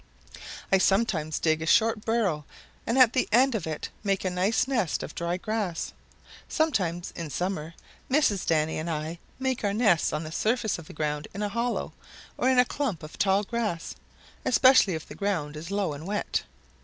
"I sometimes dig a short burrow and at the end of it make a nice nest of dry grass. Sometimes in summer Mrs. Danny and I make our nest on the surface of the ground in a hollow or in a clump of tall grass, especially if the ground is low and wet.